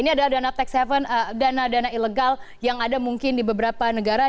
ini adalah dana tax haven dana dana ilegal yang ada mungkin di beberapa negara